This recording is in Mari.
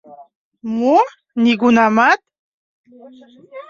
— Мо «нигунамат»?